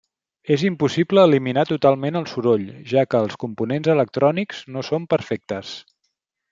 És impossible eliminar totalment el soroll, ja que els components electrònics no són perfectes.